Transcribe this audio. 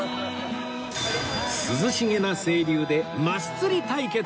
涼しげな清流でマス釣り対決！